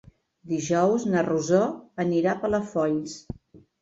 Dijous na Rosó anirà a Palafolls.